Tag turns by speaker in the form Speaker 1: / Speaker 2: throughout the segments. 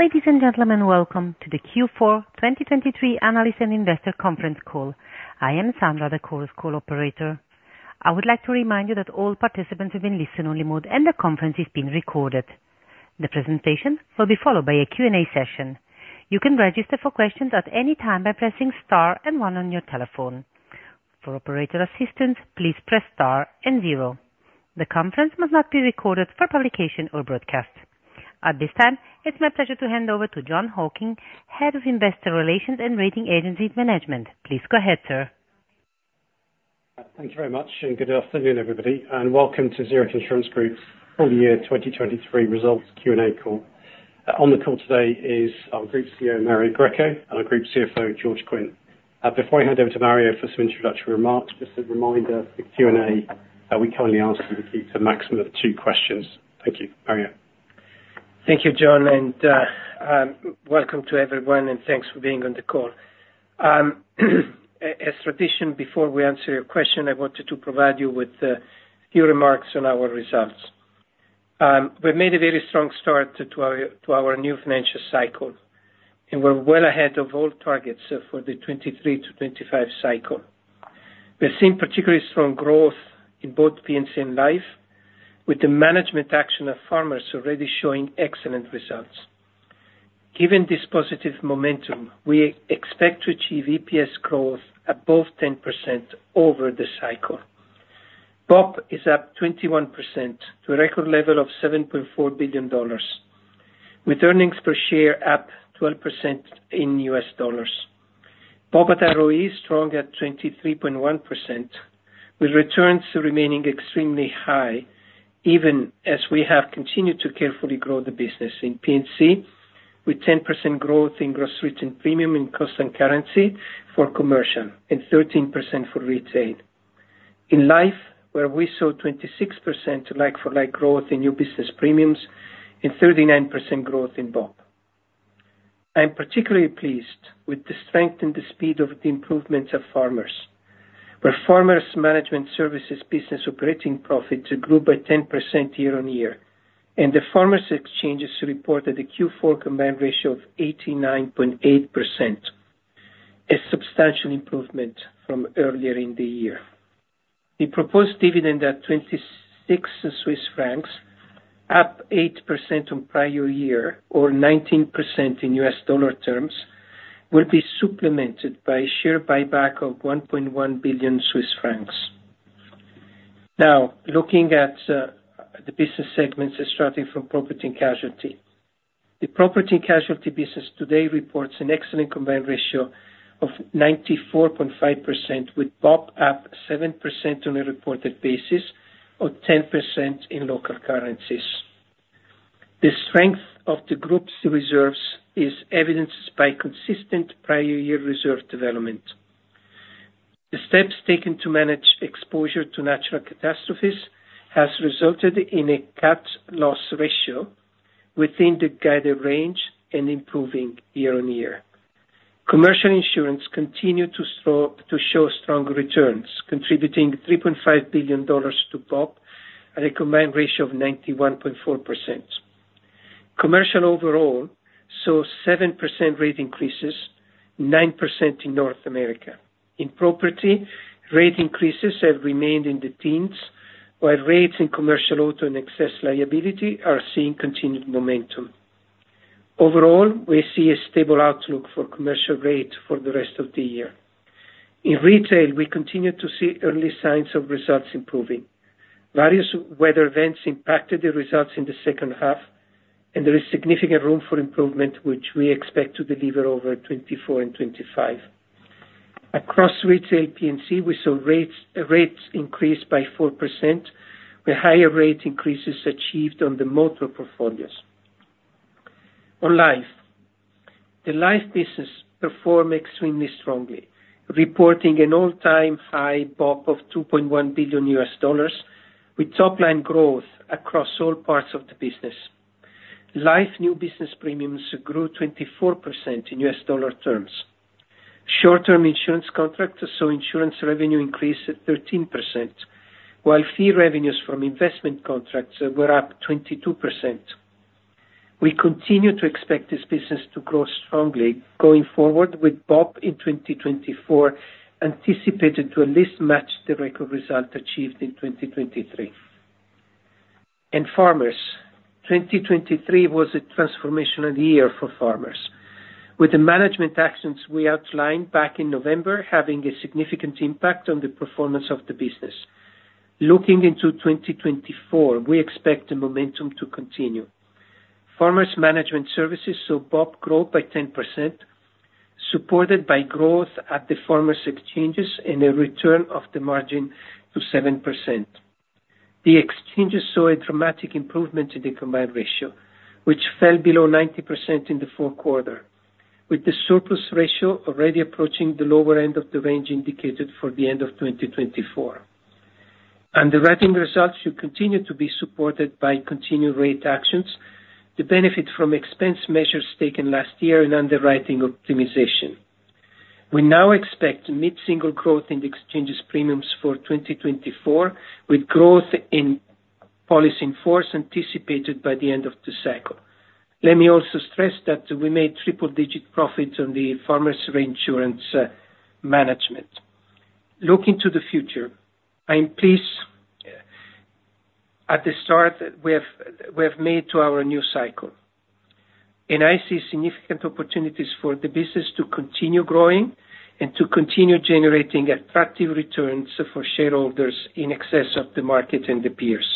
Speaker 1: Ladies and gentlemen, welcome to the Q4 2023 Analyst and Investor Conference call. I am Sandra, the call operator. I would like to remind you that all participants have been placed in listen-only mode, and the conference is being recorded. The presentation will be followed by a Q&A session. You can register for questions at any time by pressing star and one on your telephone. For operator assistance, please press star and zero. The conference must not be recorded for publication or broadcast. At this time, it's my pleasure to hand over to Jon Hocking, Head of Investor Relations and Rating Agency Management. Please go ahead, sir.
Speaker 2: Thank you very much, and good afternoon, everybody. Welcome to Zurich Insurance Group full year 2023 results Q&A call. On the call today is our Group CEO, Mario Greco, and our Group CFO, George Quinn. Before I hand over to Mario for some introductory remarks, just a reminder: the Q&A we kindly ask you to keep to a maximum of two questions. Thank you, Mario.
Speaker 3: Thank you, Jon, and welcome to everyone, and thanks for being on the call. As tradition, before we answer your question, I wanted to provide you with a few remarks on our results. We've made a very strong start to our new financial cycle, and we're well ahead of all targets for the 2023-2025 cycle. We've seen particularly strong growth in both P&C and Life, with the management action of Farmers already showing excellent results. Given this positive momentum, we expect to achieve EPS growth above 10% over the cycle. BOP is up 21% to a record level of $7.4 billion, with earnings per share up 12% in U.S. dollars. BOPAT ROE is strong at 23.1%, with returns remaining extremely high even as we have continued to carefully grow the business in P&C, with 10% growth in gross written premium in constant currency for commercial and 13% for retail. In Life, where we saw 26% like-for-like growth in new business premiums and 39% growth in BOP. I'm particularly pleased with the strength and the speed of the improvements of Farmers, where Farmers Management Services business operating profits grew by 10% year-on-year, and the Farmers Exchanges reported a Q4 combined ratio of 89.8%, a substantial improvement from earlier in the year. The proposed dividend at 26 Swiss francs, up 8% on prior year or 19% in U.S. dollar terms, will be supplemented by a share buyback of 1.1 billion Swiss francs. Now, looking at the business segments starting from property and casualty, the property and casualty business today reports an excellent combined ratio of 94.5%, with BOP up 7% on a reported basis or 10% in local currencies. The strength of the group's reserves is evidenced by consistent prior year reserve development. The steps taken to manage exposure to natural catastrophes have resulted in a CAT loss ratio within the guided range and improving year-on-year. Commercial insurance continued to show strong returns, contributing $3.5 billion to BOP at a combined ratio of 91.4%. Commercial overall saw 7% rate increases, 9% in North America. In property, rate increases have remained in the teens, while rates in commercial auto and excess liability are seeing continued momentum. Overall, we see a stable outlook for commercial rates for the rest of the year. In retail, we continue to see early signs of results improving. Various weather events impacted the results in the second half, and there is significant room for improvement, which we expect to deliver over 2024 and 2025. Across retail P&C, we saw rates increase by 4%, with higher rate increases achieved on the motor portfolios. On Life, the Life business performed extremely strongly, reporting an all-time high BOP of $2.1 billion, with top-line growth across all parts of the business. Life new business premiums grew 24% in U.S. dollar terms. Short-term insurance contracts saw insurance revenue increase at 13%, while fee revenues from investment contracts were up 22%. We continue to expect this business to grow strongly going forward, with BOP in 2024 anticipated to at least match the record result achieved in 2023. Farmers, 2023 was a transformational year for Farmers, with the management actions we outlined back in November having a significant impact on the performance of the business. Looking into 2024, we expect the momentum to continue. Farmers Management Services saw BOP grow by 10%, supported by growth at the Farmers Exchanges and a return of the margin to 7%. The Exchanges saw a dramatic improvement in the combined ratio, which fell below 90% in the fourth quarter, with the surplus ratio already approaching the lower end of the range indicated for the end of 2024. Underwriting results should continue to be supported by continued rate actions, the benefit from expense measures taken last year, and underwriting optimization. We now expect mid-single growth in the Exchanges premiums for 2024, with growth in policies in force anticipated by the end of the cycle. Let me also stress that we made triple-digit profits on the Farmers reinsurance management. Looking to the future, I'm pleased at the start we have made to our new cycle. I see significant opportunities for the business to continue growing and to continue generating attractive returns for shareholders in excess of the market and the peers.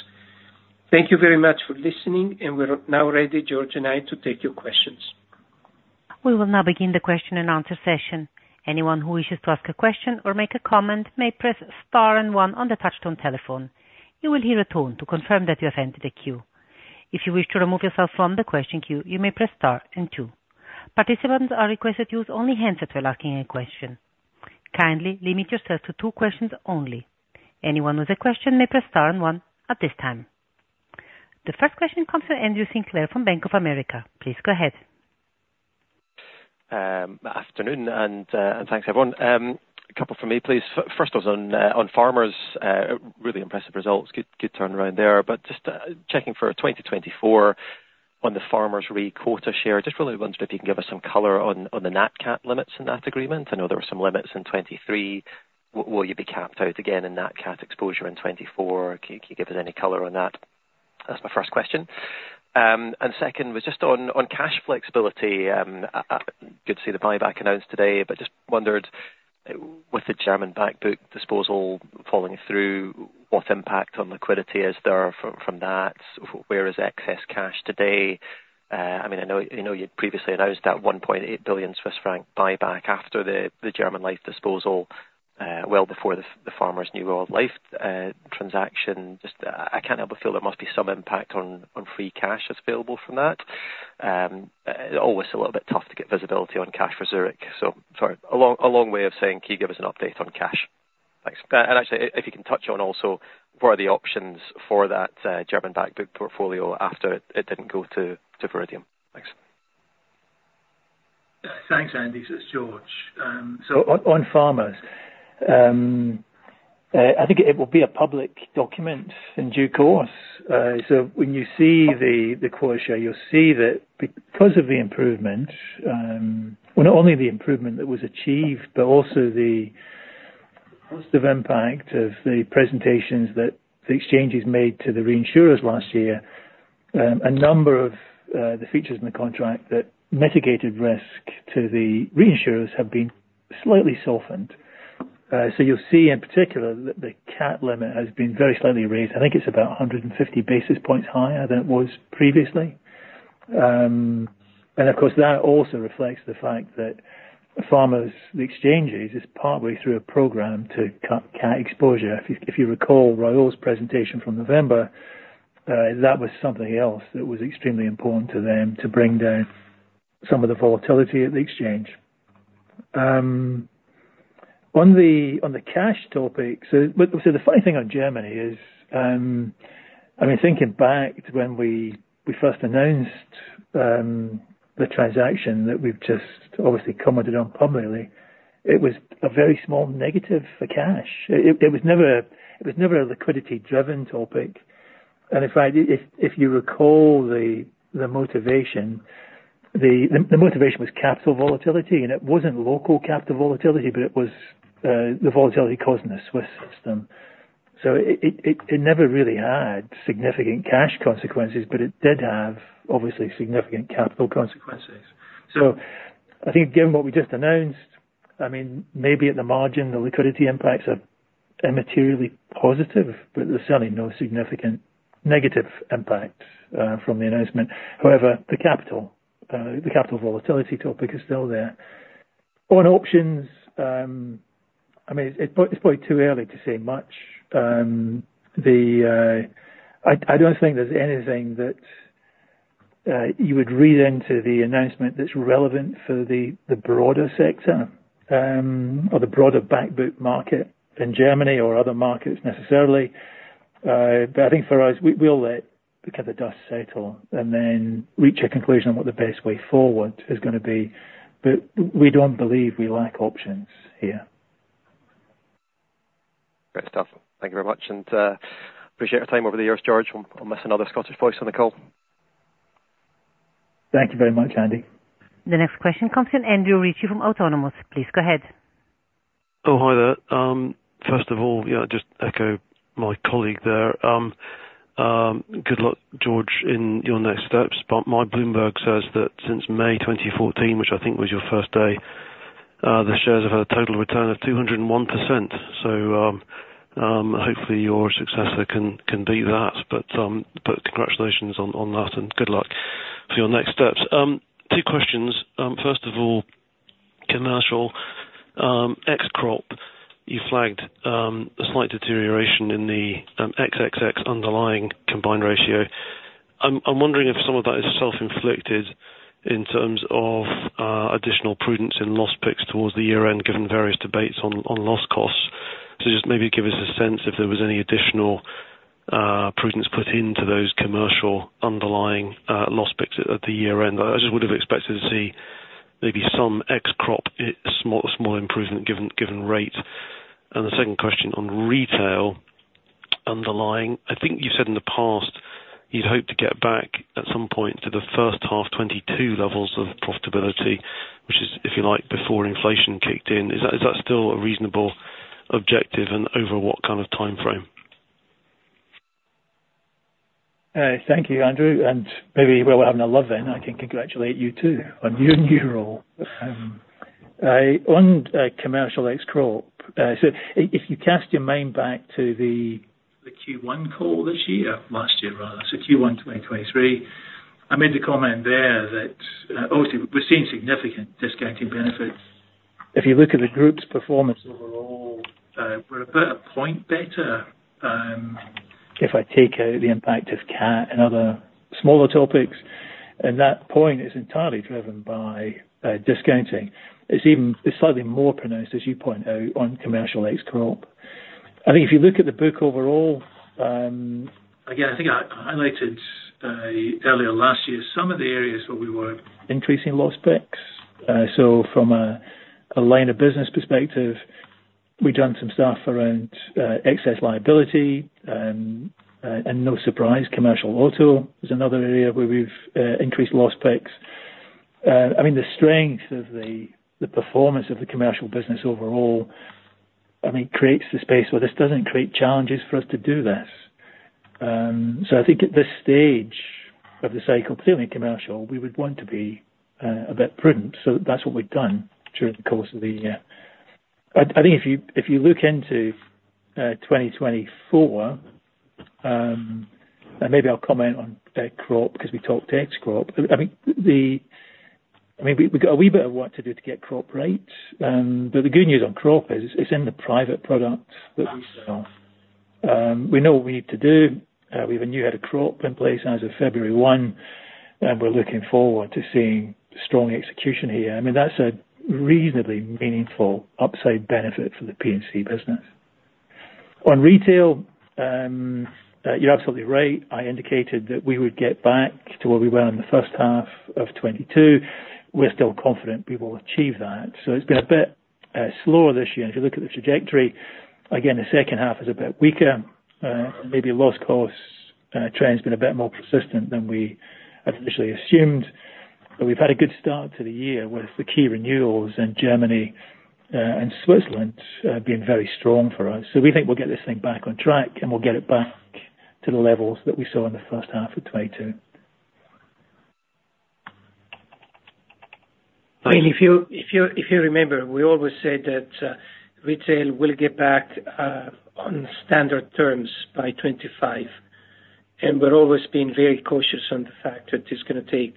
Speaker 3: Thank you very much for listening, and we're now ready, George and I, to take your questions.
Speaker 1: We will now begin the question-and-answer session. Anyone who wishes to ask a question or make a comment may press star and one on the touch-tone telephone. You will hear a tone to confirm that you have entered a queue. If you wish to remove yourself from the question queue, you may press star and two. Participants are requested to use only the handset if you are asking a question. Kindly limit yourself to two questions only. Anyone with a question may press star and one at this time. The first question comes from Andrew Sinclair from Bank of America. Please go ahead.
Speaker 4: Afternoon, and thanks, everyone. A couple from me, please. First, I was on Farmers. Really impressive results. Good turnaround there. But just checking for 2024 on the Farmers Re-quota share, just really wondered if you can give us some color on the NatCat limits in that agreement. I know there were some limits in 2023. Will you be capped out again in NatCat exposure in 2024? Can you give us any color on that? That's my first question. And second, was just on cash flexibility. Good to see the buyback announced today, but just wondered, with the German back-book disposal falling through, what impact on liquidity is there from that? Where is excess cash today? I mean, I know you'd previously announced that 1.8 billion Swiss franc buyback after the German Life disposal, well before the Farmers New World Life transaction. Just, I can't help but feel there must be some impact on free cash that's available from that. Always a little bit tough to get visibility on cash for Zurich. So, sorry, a long way of saying, can you give us an update on cash? Thanks. And actually, if you can touch on also, what are the options for that German back-book portfolio after it didn't go to Viridium? Thanks.
Speaker 5: Thanks, Andy. This is George. So on Farmers, I think it will be a public document in due course. So when you see the quota share, you'll see that because of the improvement well, not only the improvement that was achieved, but also the positive impact of the presentations that the exchange has made to the reinsurers last year, a number of the features in the contract that mitigated risk to the reinsurers have been slightly softened. So you'll see, in particular, that the CAT limit has been very slightly raised. I think it's about 150 basis points higher than it was previously. And of course, that also reflects the fact that Farmers, the Exchanges, is partway through a program to cut CAT exposure. If you recall Raul's presentation from November, that was something else that was extremely important to them to bring down some of the volatility at the exchange. On the cash topic, so the funny thing on Germany is, I mean, thinking back to when we first announced the transaction that we've just obviously commented on publicly, it was a very small negative for cash. It was never a liquidity-driven topic. And in fact, if you recall the motivation, the motivation was capital volatility, and it wasn't local capital volatility, but it was the volatility caused in the Swiss system. So it never really had significant cash consequences, but it did have, obviously, significant capital consequences. So I think given what we just announced, I mean, maybe at the margin, the liquidity impacts are immaterially positive, but there's certainly no significant negative impact from the announcement. However, the capital volatility topic is still there. On options, I mean, it's probably too early to say much. I don't think there's anything that you would read into the announcement that's relevant for the broader sector or the broader backbook market in Germany or other markets necessarily. But I think for us, we'll let the dust settle and then reach a conclusion on what the best way forward is going to be. But we don't believe we lack options here.
Speaker 4: Great stuff. Thank you very much. And appreciate your time over the years, George. I'll miss another Scottish voice on the call.
Speaker 5: Thank you very much, Andy.
Speaker 1: The next question comes from Andrew Ritchie from Autonomous. Please go ahead.
Speaker 6: Oh, hi there. First of all, just echo my colleague there. Good luck, George, in your next steps. My Bloomberg says that since May 2014, which I think was your first day, the shares have had a total return of 201%. So hopefully, your successor can beat that. But congratulations on that, and good luck for your next steps. Two questions. First of all, commercial ex-crop, you flagged a slight deterioration in the P&C underlying combined ratio. I'm wondering if some of that is self-inflicted in terms of additional prudence in loss picks towards the year-end, given various debates on loss costs. So just maybe give us a sense if there was any additional prudence put into those commercial underlying loss picks at the year-end. I just would have expected to see maybe some ex-crop, a small improvement given rate. The second question, on retail underlying, I think you've said in the past you'd hope to get back at some point to the first half 2022 levels of profitability, which is, if you like, before inflation kicked in. Is that still a reasonable objective and over what kind of timeframe?
Speaker 5: Thank you, Andrew. And maybe while we're having a lull then, I can congratulate you too on your new role on commercial ex-crop. So if you cast your mind back to the Q1 call this year, last year, rather, so Q1 2023, I made the comment there that obviously, we're seeing significant discounting benefits. If you look at the group's performance overall, we're about a point better. If I take out the impact of CAT and other smaller topics, and that point is entirely driven by discounting, it's slightly more pronounced, as you point out, on commercial ex-crop. I think if you look at the book overall again, I think I highlighted earlier last year some of the areas where we were increasing loss picks. So from a line of business perspective, we've done some stuff around excess liability. No surprise, commercial auto is another area where we've increased loss picks. I mean, the strength of the performance of the commercial business overall, I mean, creates the space where this doesn't create challenges for us to do this. So I think at this stage of the cycle, particularly commercial, we would want to be a bit prudent. So that's what we've done during the course of the year. I think if you look into 2024, and maybe I'll comment on Crop because we talked ex-crop. I mean, we've got a wee bit of work to do to get Crop right. But the good news on Crop is it's in the private product that we sell. We know what we need to do. We have a new head of Crop in place as of February 1, and we're looking forward to seeing strong execution here. I mean, that's a reasonably meaningful upside benefit for the P&C business. On retail, you're absolutely right. I indicated that we would get back to where we were in the first half of 2022. We're still confident we will achieve that. So it's been a bit slower this year. And if you look at the trajectory, again, the second half is a bit weaker. Maybe loss cost trend's been a bit more persistent than we had initially assumed. But we've had a good start to the year with the key renewals and Germany and Switzerland being very strong for us. So we think we'll get this thing back on track, and we'll get it back to the levels that we saw in the first half of 2022. And if you remember, we always said that retail will get back on standard terms by 2025. We're always being very cautious on the fact that it's going to take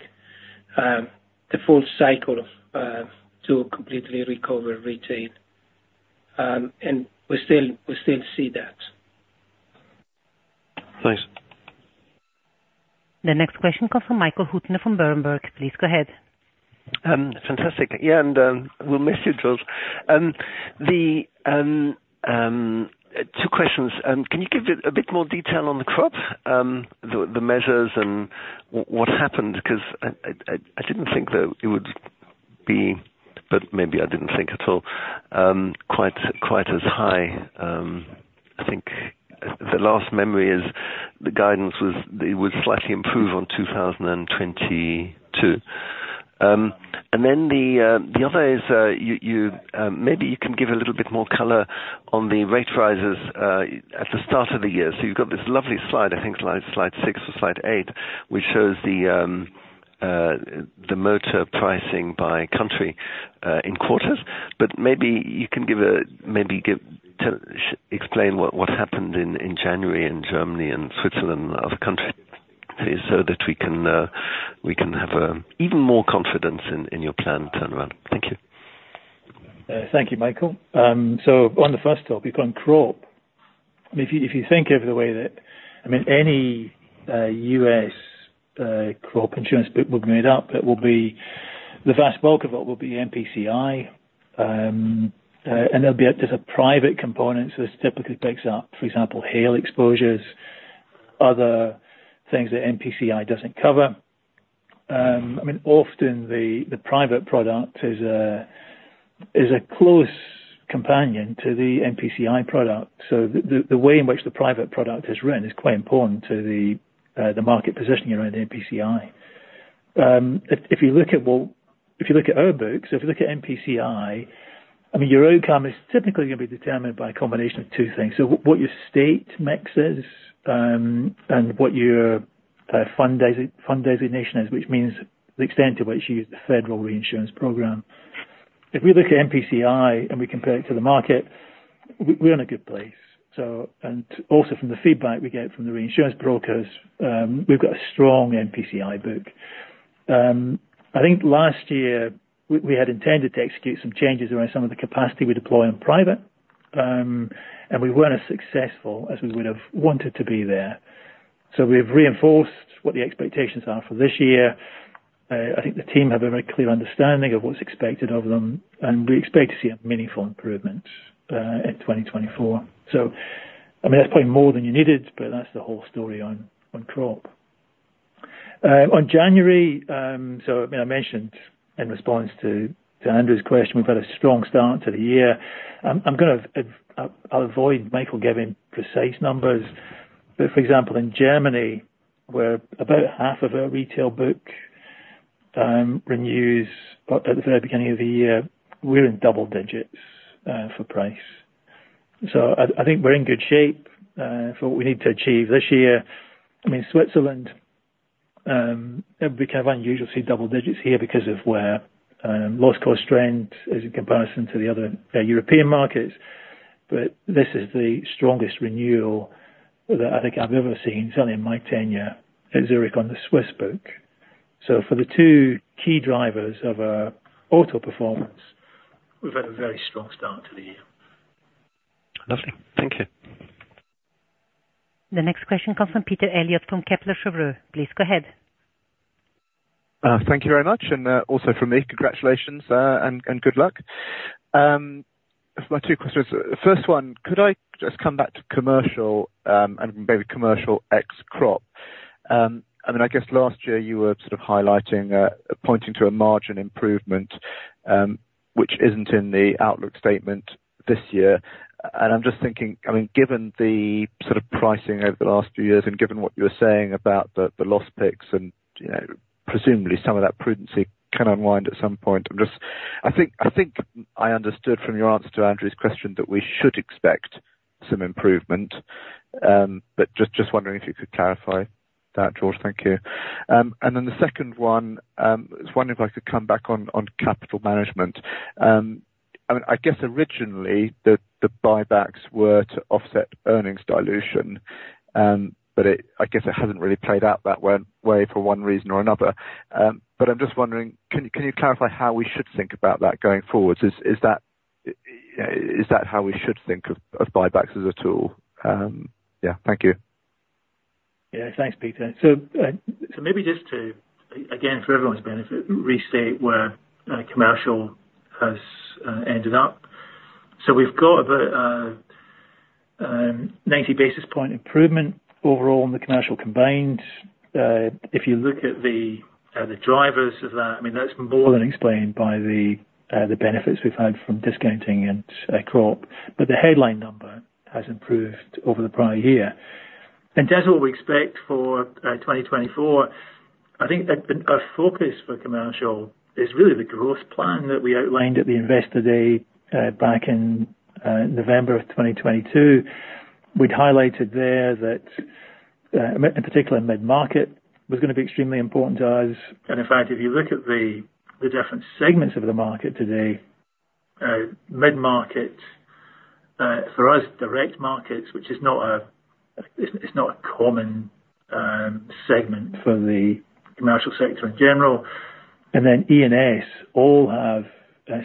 Speaker 5: the full cycle to completely recover retail. We still see that.
Speaker 6: Thanks.
Speaker 1: The next question comes from Michael Huttner from Berenberg. Please go ahead.
Speaker 7: Fantastic. Yeah, and we'll miss you, George. 2 questions. Can you give a bit more detail on the Crop, the measures, and what happened? Because I didn't think that it would be but maybe I didn't think at all quite as high. I think the last memory is the guidance was it would slightly improve on 2022. And then the other is maybe you can give a little bit more color on the rate rises at the start of the year. So you've got this lovely slide, I think slide 6 or slide 8, which shows the motor pricing by country in quarters. But maybe you can explain what happened in January in Germany and Switzerland and other countries so that we can have even more confidence in your planned turnaround. Thank you.
Speaker 5: Thank you, Michael. So on the first topic, on crop, I mean, if you think of the way that I mean, any U.S. crop insurance book will be made up, but the vast bulk of it will be MPCI. And there'll be just a private component. So this typically picks up, for example, hail exposures, other things that MPCI doesn't cover. I mean, often, the private product is a close companion to the MPCI product. So the way in which the private product is run is quite important to the market positioning around MPCI. If you look at well, if you look at our books, if you look at MPCI, I mean, your outcome is typically going to be determined by a combination of two things. So what your state mix is and what your fund designation is, which means the extent to which you use the federal reinsurance program. If we look at MPCI and we compare it to the market, we're in a good place. And also from the feedback we get from the reinsurance brokers, we've got a strong MPCI book. I think last year, we had intended to execute some changes around some of the capacity we deploy in private. And we weren't as successful as we would have wanted to be there. So we've reinforced what the expectations are for this year. I think the team have a very clear understanding of what's expected of them. And we expect to see a meaningful improvement in 2024. So I mean, that's probably more than you needed, but that's the whole story on Crop. On January, so I mean, I mentioned in response to Andrew's question, we've had a strong start to the year. I'll avoid Michael giving precise numbers. But for example, in Germany, where about half of our retail book renews at the very beginning of the year, we're in double digits for price. So I think we're in good shape for what we need to achieve this year. I mean, Switzerland, it would be kind of unusual to see double digits here because of where loss cost trend is in comparison to the other European markets. But this is the strongest renewal that I think I've ever seen, certainly in my tenure at Zurich on the Swiss book. So for the two key drivers of our auto performance, we've had a very strong start to the year.
Speaker 7: Lovely. Thank you.
Speaker 1: The next question comes from Peter Eliot from Kepler Cheuvreux. Please go ahead.
Speaker 8: Thank you very much. Also from me, congratulations and good luck. My two questions. First one, could I just come back to commercial and maybe commercial ex-crop? I mean, I guess last year, you were sort of pointing to a margin improvement, which isn't in the outlook statement this year. I'm just thinking, I mean, given the sort of pricing over the last few years and given what you were saying about the loss picks and presumably some of that prudency can unwind at some point, I think I understood from your answer to Andrew's question that we should expect some improvement. But just wondering if you could clarify that, George? Thank you. Then the second one, I was wondering if I could come back on capital management. I mean, I guess originally, the buybacks were to offset earnings dilution. I guess it hasn't really played out that way for one reason or another. I'm just wondering, can you clarify how we should think about that going forward? Is that how we should think of buybacks as a tool? Yeah, thank you.
Speaker 5: Yeah, thanks, Peter. So maybe just to, again, for everyone's benefit, restate where commercial has ended up. So we've got about a 90 basis point improvement overall in the commercial combined. If you look at the drivers of that, I mean, that's more than explained by the benefits we've had from discounting and Crop. But the headline number has improved over the prior year. And that's what we expect for 2024. I think our focus for commercial is really the growth plan that we outlined at the Investor Day back in November of 2022. We'd highlighted there that, in particular, mid-market was going to be extremely important to us. In fact, if you look at the different segments of the market today, mid-market, for us, direct markets, which is not a common segment for the commercial sector in general, and then E&S all have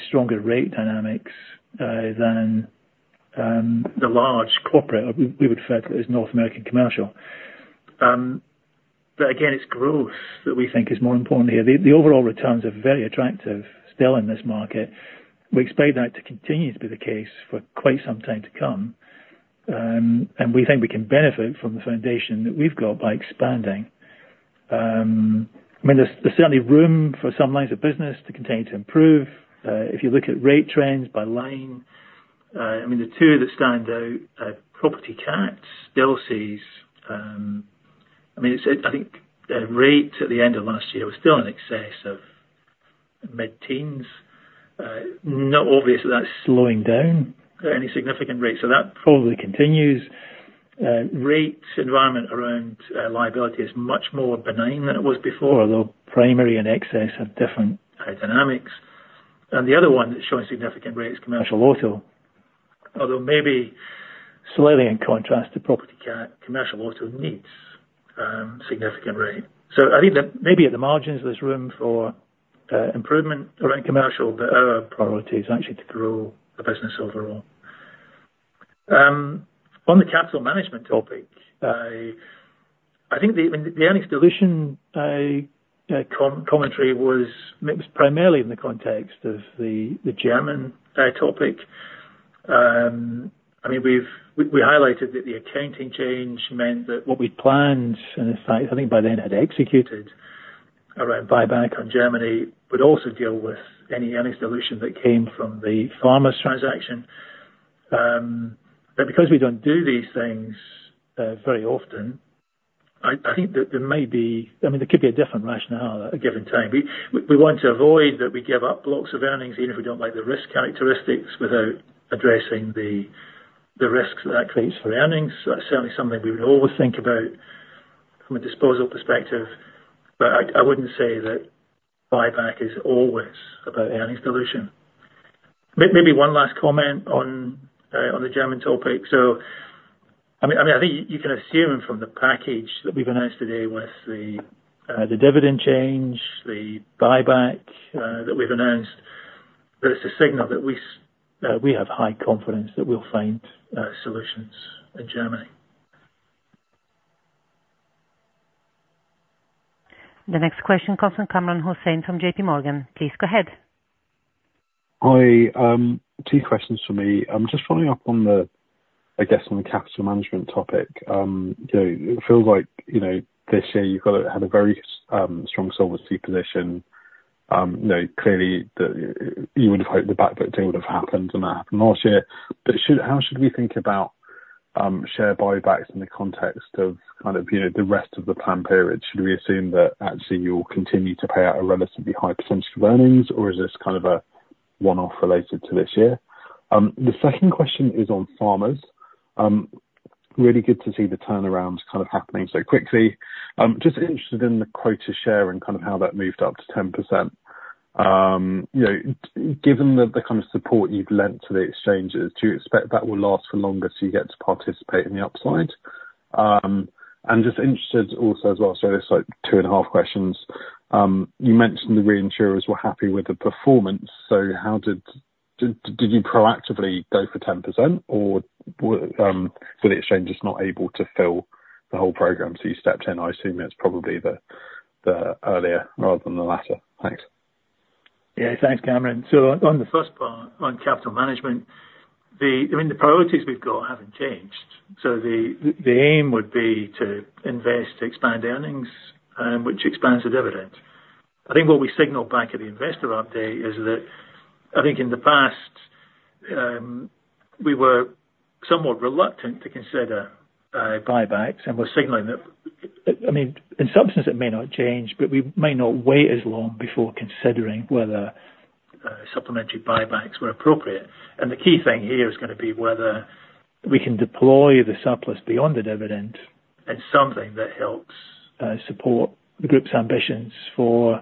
Speaker 5: stronger rate dynamics than the large corporate we would refer to as North American commercial. But again, it's growth that we think is more important here. The overall returns are very attractive still in this market. We expect that to continue to be the case for quite some time to come. And we think we can benefit from the foundation that we've got by expanding. I mean, there's certainly room for some lines of business to continue to improve. If you look at rate trends by line, I mean, the two that stand out, property CAT, D&O, I mean, I think rates at the end of last year were still in excess of mid-teens. Not obvious that that's slowing down any significant rates. So that probably continues. Rate environment around liability is much more benign than it was before, although primary and excess have different dynamics. And the other one that's showing significant rate is commercial auto, although maybe slightly in contrast to property CAT, commercial auto needs significant rate. So I think that maybe at the margins, there's room for improvement around commercial, but our priority is actually to grow the business overall. On the capital management topic, I think the earnings dilution commentary was primarily in the context of the German topic. I mean, we highlighted that the accounting change meant that what we'd planned, and in fact, I think by then had executed around buyback on Germany, would also deal with any earnings dilution that came from the Farmers transaction. But because we don't do these things very often, I think that there may be I mean, there could be a different rationale at a given time. We want to avoid that we give up blocks of earnings, even if we don't like the risk characteristics, without addressing the risks that that creates for earnings. So that's certainly something we would always think about from a disposal perspective. But I wouldn't say that buyback is always about earnings dilution. Maybe one last comment on the German topic. So I mean, I think you can assume from the package that we've announced today with the dividend change, the buyback that we've announced, that it's a signal that we have high confidence that we'll find solutions in Germany.
Speaker 1: The next question comes from Kamran Hossain from JPMorgan. Please go ahead.
Speaker 9: Hi. Two questions for me. I'm just following up on the, I guess, on the capital management topic. It feels like this year, you've had a very strong solvency position. Clearly, you would have hoped the back-book deal would have happened, but that didn't happen last year. But how should we think about share buybacks in the context of kind of the rest of the plan period? Should we assume that actually, you'll continue to pay out a relatively high percentage of earnings, or is this kind of a one-off related to this year? The second question is on Farmers. Really good to see the turnarounds kind of happening so quickly. Just interested in the quota share and kind of how that moved up to 10%. Given the kind of support you've lent to the exchanges, do you expect that will last for longer so you get to participate in the upside? And just interested also as well, so there's 2.5 questions. You mentioned the reinsurers were happy with the performance. So did you proactively go for 10%, or were the exchanges not able to fill the whole program? So you stepped in. I assume it's probably the earlier rather than the latter. Thanks.
Speaker 5: Yeah, thanks, Kamran. So on the first part, on capital management, I mean, the priorities we've got haven't changed. So the aim would be to invest to expand earnings, which expands the dividend. I think what we signal back at the Investor Update is that I think in the past, we were somewhat reluctant to consider buybacks, and we're signaling that I mean, in substance, it may not change, but we may not wait as long before considering whether supplementary buybacks were appropriate. And the key thing here is going to be whether we can deploy the surplus beyond the dividend as something that helps support the group's ambitions for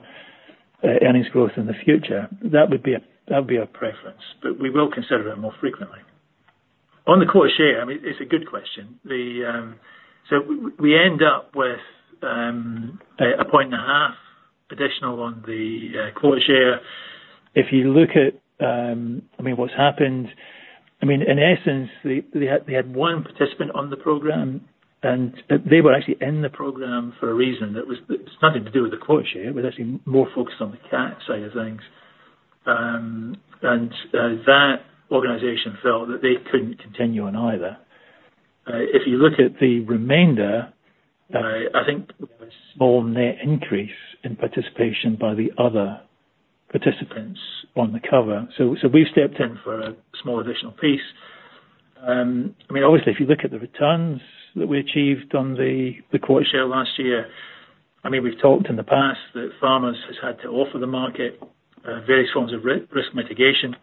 Speaker 5: earnings growth in the future. That would be a preference, but we will consider it more frequently. On the quota share, I mean, it's a good question. So we end up with 1.5 additional on the quota share. If you look at, I mean, what's happened, I mean, in essence, they had one participant on the program, and they were actually in the program for a reason. It's nothing to do with the quota share. It was actually more focused on the CAT side of things. And that organization felt that they couldn't continue on either. If you look at the remainder, I think there was a small net increase in participation by the other participants on the cover. So we've stepped in for a small additional piece. I mean, obviously, if you look at the returns that we achieved on the quota share last year, I mean, we've talked in the past that Farmers have had to offer the market various forms of risk mitigation.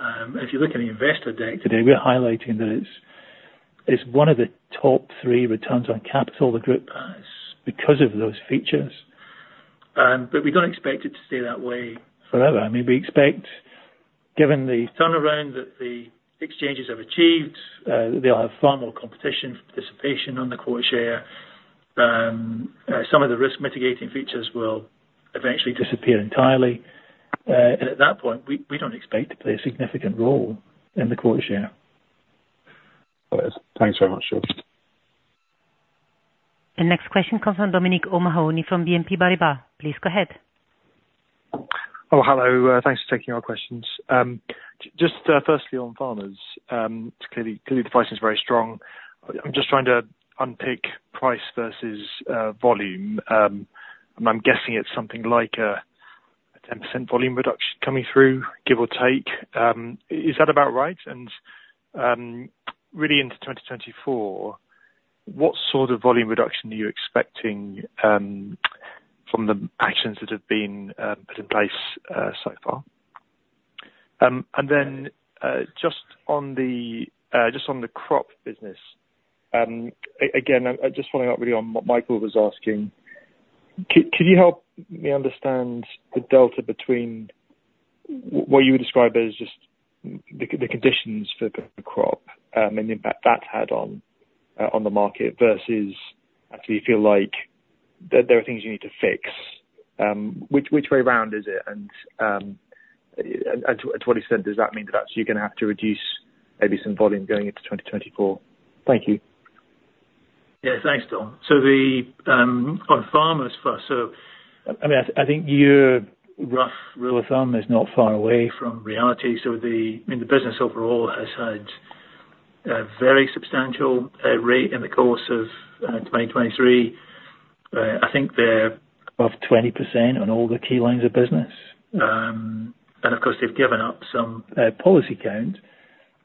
Speaker 5: If you look at the Investor Day today, we're highlighting that it's one of the top three returns on capital the group has because of those features. But we don't expect it to stay that way forever. I mean, we expect, given the turnaround that the exchanges have achieved, they'll have far more competition for participation on the quota share. Some of the risk mitigating features will eventually disappear entirely. At that point, we don't expect to play a significant role in the quota share.
Speaker 9: Thanks very much, George.
Speaker 1: The next question comes from Dominic O'Mahony from BNP Paribas. Please go ahead.
Speaker 10: Oh, hello. Thanks for taking our questions. Just firstly, on Farmers, clearly, the pricing is very strong. I'm just trying to unpick price versus volume. And I'm guessing it's something like a 10% volume reduction coming through, give or take. Is that about right? And really, into 2024, what sort of volume reduction are you expecting from the actions that have been put in place so far? And then just on the crop business, again, just following up really on what Michael was asking, could you help me understand the delta between what you would describe as just the conditions for the crop and the impact that's had on the market versus actually feel like there are things you need to fix? Which way around is it? And to what extent does that mean that actually you're going to have to reduce maybe some volume going into 2024? Thank you.
Speaker 5: Yeah, thanks, Dom. So on Farmers first, so I mean, I think your rough rule of thumb is not far away from reality. So I mean, the business overall has had a very substantial rate in the course of 2023. I think they're above 20% on all the key lines of business, and of course, they've given up some policy counts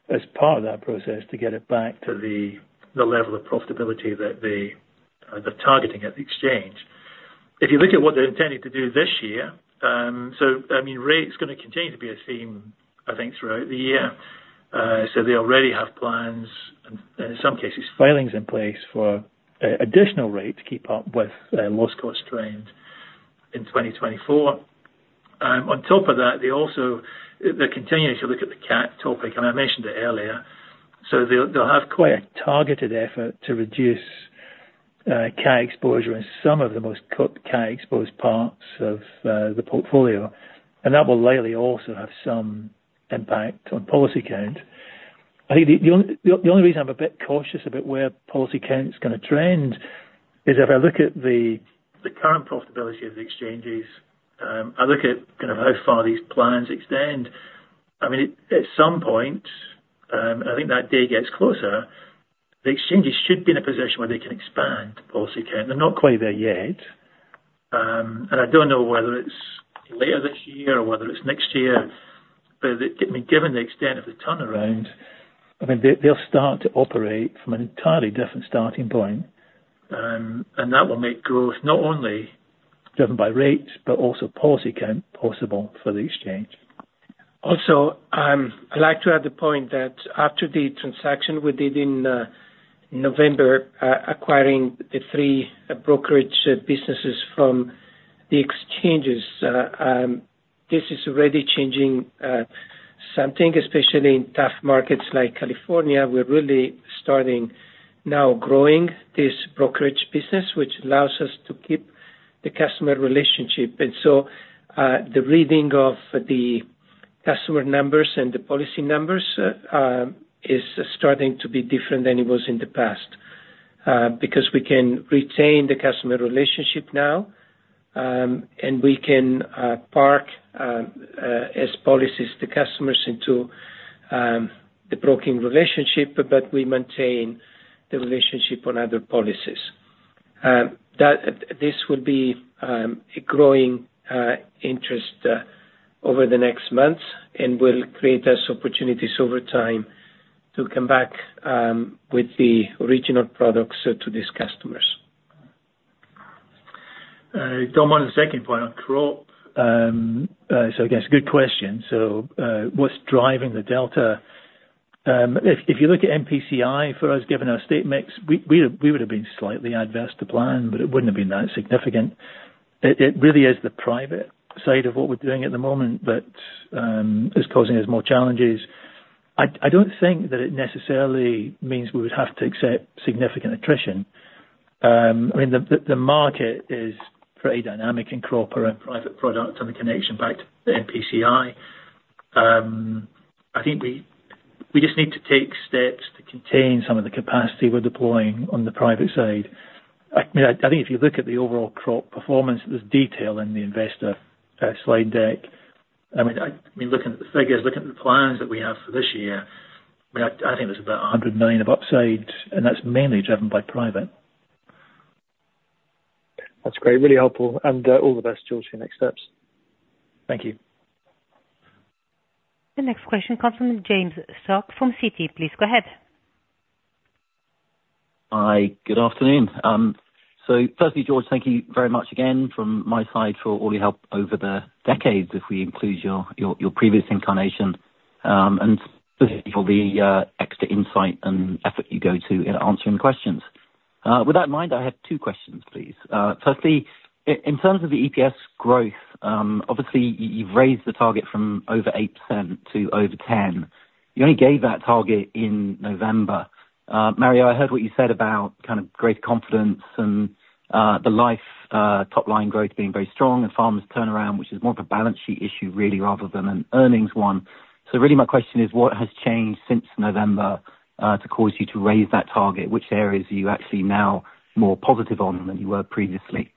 Speaker 5: as part of that process to get it back to the level of profitability that they're targeting at the exchange. If you look at what they're intending to do this year, so I mean, rate's going to continue to be a theme, I think, throughout the year. So they already have plans and, in some cases, filings in place for additional rate to keep up with loss cost trends in 2024. On top of that, they're continuing to look at the CAT topic. And I mentioned it earlier. So they'll have quite a targeted effort to reduce CAT exposure in some of the most CAT-exposed parts of the portfolio. And that will likely also have some impact on policy counts. I think the only reason I'm a bit cautious about where policy counts are going to trend is if I look at the current profitability of the exchanges, I look at kind of how far these plans extend. I mean, at some point, and I think that day gets closer, the exchanges should be in a position where they can expand policy counts. They're not quite there yet. And I don't know whether it's later this year or whether it's next year. But given the extent of the turnaround, I mean, they'll start to operate from an entirely different starting point. And that will make growth not only driven by rates but also policy counts possible for the exchange.
Speaker 3: Also, I'd like to add the point that after the transaction we did in November acquiring the three brokerage businesses from the exchanges, this is already changing something, especially in tough markets like California. We're really starting now growing this brokerage business, which allows us to keep the customer relationship. And so the reading of the customer numbers and the policy numbers is starting to be different than it was in the past because we can retain the customer relationship now, and we can park as policies the customers into the broking relationship, but we maintain the relationship on other policies. This will be a growing interest over the next months and will create us opportunities over time to come back with the original products to these customers.
Speaker 5: Dom, on the second point on crop, so I guess good question. So what's driving the delta? If you look at MPCI for us, given our state mix, we would have been slightly adverse to plan, but it wouldn't have been that significant. It really is the private side of what we're doing at the moment that is causing us more challenges. I don't think that it necessarily means we would have to accept significant attrition. I mean, the market is pretty dynamic in crop around private products and the connection back to MPCI. I think we just need to take steps to contain some of the capacity we're deploying on the private side. I mean, I think if you look at the overall crop performance, there's detail in the investor slide deck. I mean, looking at the figures, looking at the plans that we have for this year, I mean, I think there's about 100 million of upsides, and that's mainly driven by private.
Speaker 10: That's great. Really helpful. And all the best, George, for your next steps. Thank you.
Speaker 1: The next question comes from James Shuck from Citi. Please go ahead.
Speaker 11: Hi. Good afternoon. So firstly, George, thank you very much again from my side for all your help over the decades, if we include your previous incarnation, and specifically for the extra insight and effort you go to in answering questions. With that in mind, I have two questions, please. Firstly, in terms of the EPS growth, obviously, you've raised the target from over 8% to over 10%. You only gave that target in November. Mario, I heard what you said about kind of great confidence and the life top-line growth being very strong and Farmers turnaround, which is more of a balance sheet issue, really, rather than an earnings one. So really, my question is, what has changed since November to cause you to raise that target? Which areas are you actually now more positive on than you were previously?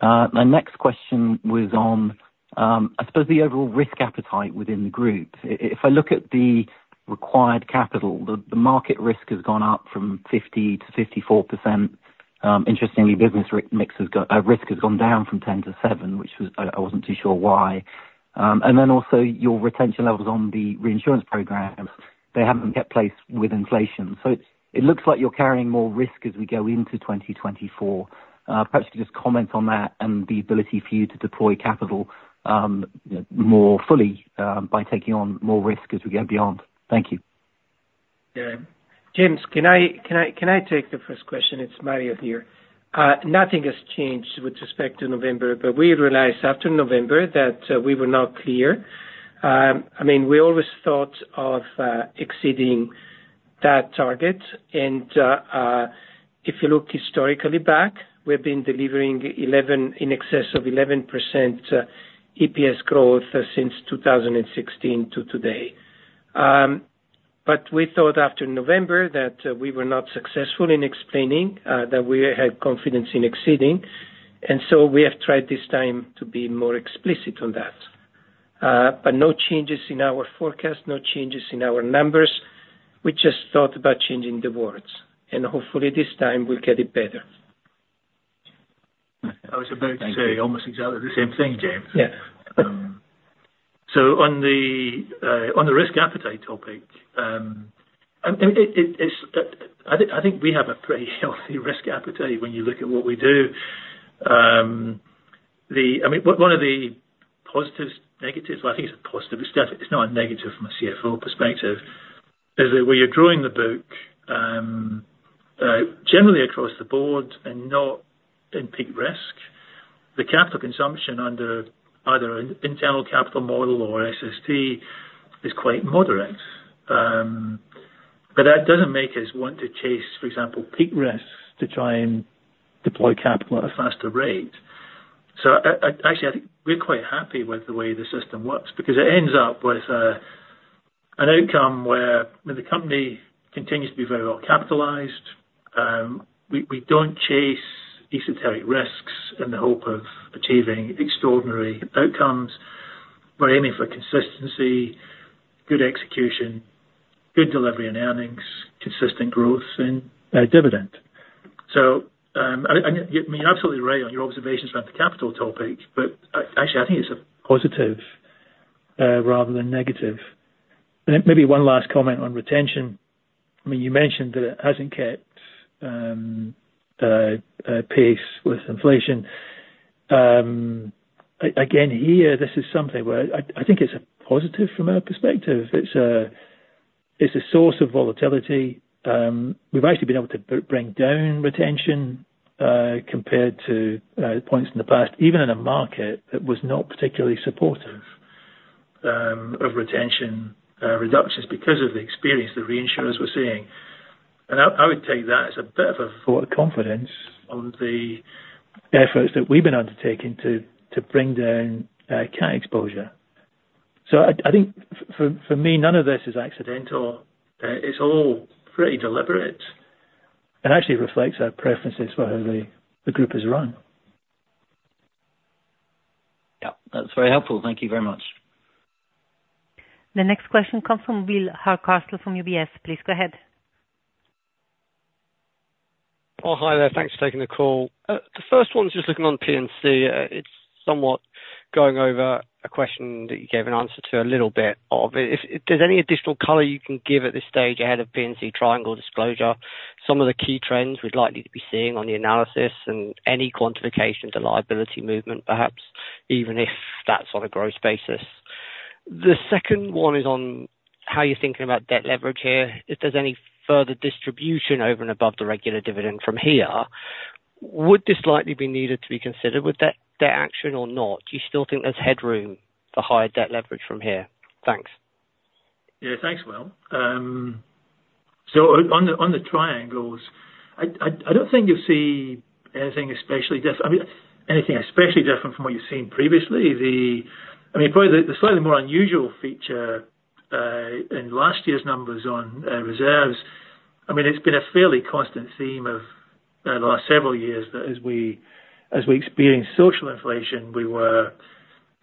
Speaker 11: My next question was on, I suppose, the overall risk appetite within the group. If I look at the required capital, the market risk has gone up from 50%-54%. Interestingly, business risk has gone down from 10%-7%, which I wasn't too sure why. And then also, your retention levels on the reinsurance programs, they haven't kept pace with inflation. So it looks like you're carrying more risk as we go into 2024. Perhaps you could just comment on that and the ability for you to deploy capital more fully by taking on more risk as we go beyond. Thank you.
Speaker 3: Yeah. James, can I take the first question? It's Mario here. Nothing has changed with respect to November, but we realized after November that we were not clear. I mean, we always thought of exceeding that target. And if you look historically back, we've been delivering in excess of 11% EPS growth since 2016 to today. But we thought after November that we were not successful in explaining that we had confidence in exceeding. And so we have tried this time to be more explicit on that. But no changes in our forecast, no changes in our numbers. We just thought about changing the words. And hopefully, this time, we'll get it better.
Speaker 5: I was about to say almost exactly the same thing, James. So on the risk appetite topic, I mean, I think we have a pretty healthy risk appetite when you look at what we do. I mean, one of the positives, negatives well, I think it's a positive. It's not a negative from a CFO perspective. As they were you're drawing the book, generally across the board and not in peak risk, the capital consumption under either an internal capital model or SST is quite moderate. But that doesn't make us want to chase, for example, peak risks to try and deploy capital at a faster rate. So actually, I think we're quite happy with the way the system works because it ends up with an outcome where the company continues to be very well capitalized. We don't chase esoteric risks in the hope of achieving extraordinary outcomes. We're aiming for consistency, good execution, good delivery on earnings, consistent growth, and dividend. So I mean, you're absolutely right on your observations around the capital topic, but actually, I think it's a positive rather than negative. And maybe one last comment on retention. I mean, you mentioned that it hasn't kept pace with inflation. Again, here, this is something where I think it's a positive from our perspective. It's a source of volatility. We've actually been able to bring down retention compared to points in the past, even in a market that was not particularly supportive of retention reductions because of the experience the reinsurers were seeing. And I would take that as a bit of a thought of confidence on the efforts that we've been undertaking to bring down CAT exposure. So I think for me, none of this is accidental. It's all pretty deliberate and actually reflects our preferences for how the group is run.
Speaker 11: Yeah. That's very helpful. Thank you very much.
Speaker 1: The next question comes from Will Hardcastle from UBS. Please go ahead.
Speaker 12: Oh, hi there. Thanks for taking the call. The first one's just looking on P&C. It's somewhat going over a question that you gave an answer to a little bit of. Is there any additional color you can give at this stage ahead of P&C triangle disclosure? Some of the key trends we'd likely to be seeing on the analysis and any quantification to liability movement, perhaps, even if that's on a growth basis. The second one is on how you're thinking about debt leverage here. If there's any further distribution over and above the regular dividend from here, would this likely be needed to be considered with debt action or not? Do you still think there's headroom for higher debt leverage from here? Thanks.
Speaker 5: Yeah. Thanks, Will. So on the triangles, I don't think you'll see anything especially different. I mean, anything especially different from what you've seen previously? I mean, probably the slightly more unusual feature in last year's numbers on reserves. I mean, it's been a fairly constant theme of the last several years that as we experienced social inflation, we were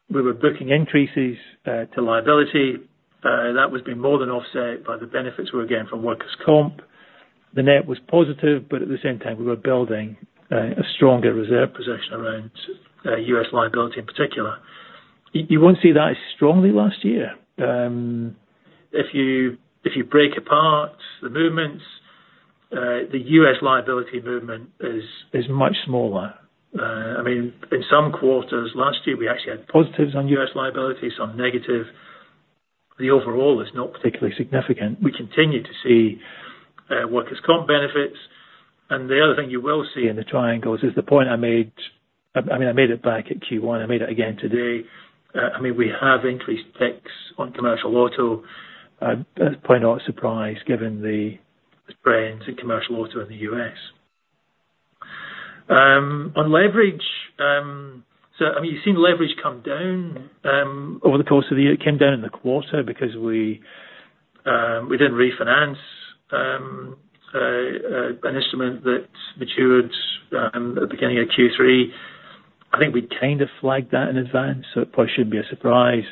Speaker 5: booking increases to liability. That was being more than offset by the benefits we were getting from workers' comp. The net was positive, but at the same time, we were building a stronger reserve position around U.S. liability in particular. You won't see that as strongly last year. If you break apart the movements, the U.S. liability movement is much smaller. I mean, in some quarters last year, we actually had positives on U.S. liability, some negative. The overall is not particularly significant. We continue to see workers' comp benefits. The other thing you will see in the triangles is the point I made. I mean, I made it back at Q1. I made it again today. I mean, we have increased ticks on commercial auto. That's point of surprise given the trends in commercial auto in the U.S. On leverage, so I mean, you've seen leverage come down over the course of the year. It came down in the quarter because we didn't refinance an instrument that matured at the beginning of Q3. I think we kind of flagged that in advance, so it probably shouldn't be a surprise.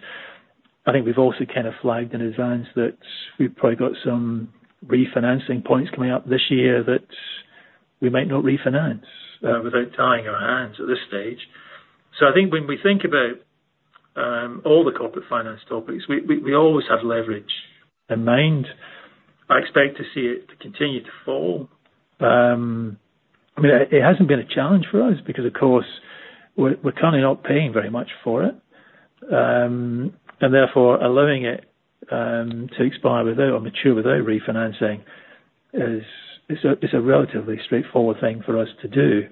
Speaker 5: I think we've also kind of flagged in advance that we've probably got some refinancing points coming up this year that we might not refinance without tying our hands at this stage. So I think when we think about all the corporate finance topics, we always have leverage in mind. I expect to see it continue to fall. I mean, it hasn't been a challenge for us because, of course, we're kind of not paying very much for it. And therefore, allowing it to expire without or mature without refinancing is a relatively straightforward thing for us to do.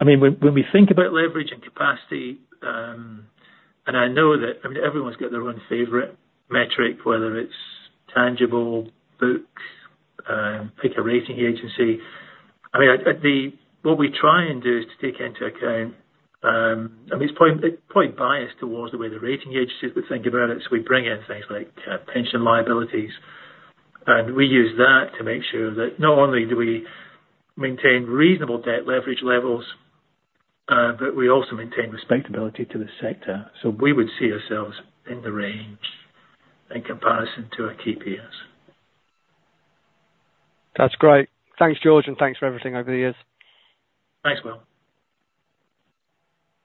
Speaker 5: I mean, when we think about leverage and capacity, and I know that I mean, everyone's got their own favorite metric, whether it's tangible, book, pick a rating agency. I mean, what we try and do is to take into account I mean, it's probably biased towards the way the rating agencies would think about it. So we bring in things like pension liabilities, and we use that to make sure that not only do we maintain reasonable debt leverage levels, but we also maintain respectability to the sector. So we would see ourselves in the range in comparison to our key peers.
Speaker 12: That's great. Thanks, George, and thanks for everything over the years.
Speaker 5: Thanks, Will.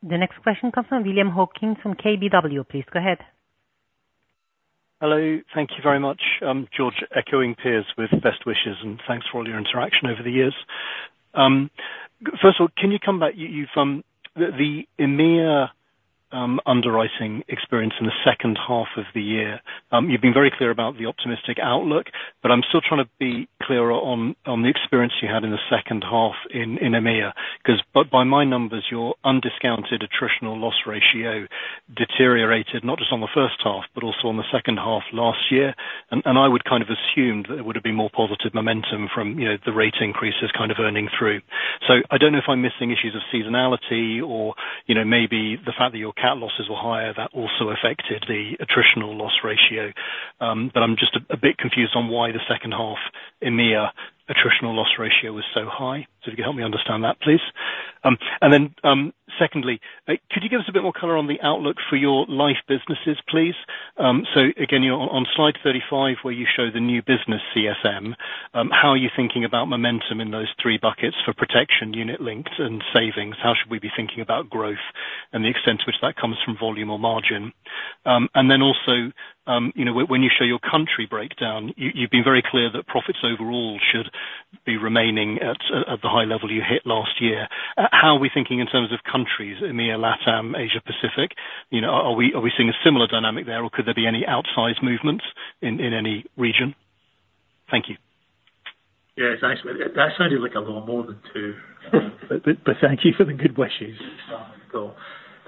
Speaker 1: The next question comes from William Hawkins from KBW. Please go ahead.
Speaker 13: Hello. Thank you very much. George, echoing peers with best wishes, and thanks for all your interaction over the years. First of all, can you come back? The EMEA underwriting experience in the second half of the year, you've been very clear about the optimistic outlook, but I'm still trying to be clearer on the experience you had in the second half in EMEA because by my numbers, your undiscounted attritional loss ratio deteriorated not just on the first half but also on the second half last year. I would kind of assume that it would have been more positive momentum from the rate increases kind of earning through. I don't know if I'm missing issues of seasonality or maybe the fact that your CAT losses were higher, that also affected the attritional loss ratio. I'm just a bit confused on why the second half EMEA attritional loss ratio was so high. So if you could help me understand that, please. And then secondly, could you give us a bit more color on the outlook for your life businesses, please? So again, you're on slide 35 where you show the new business CSM. How are you thinking about momentum in those three buckets for protection, unit links, and savings? How should we be thinking about growth and the extent to which that comes from volume or margin? And then also, when you show your country breakdown, you've been very clear that profits overall should be remaining at the high level you hit last year. How are we thinking in terms of countries, EMEA, LATAM, Asia-Pacific? Are we seeing a similar dynamic there, or could there be any outsized movements in any region? Thank you.
Speaker 5: Yeah. Thanks. That sounded like a little more than two. But thank you for the good wishes.